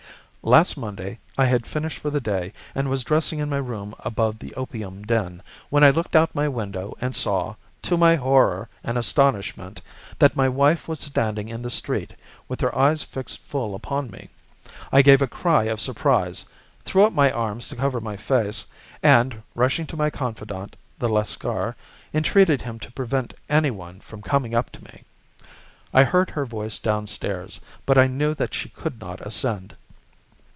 "Last Monday I had finished for the day and was dressing in my room above the opium den when I looked out of my window and saw, to my horror and astonishment, that my wife was standing in the street, with her eyes fixed full upon me. I gave a cry of surprise, threw up my arms to cover my face, and, rushing to my confidant, the Lascar, entreated him to prevent anyone from coming up to me. I heard her voice downstairs, but I knew that she could not ascend.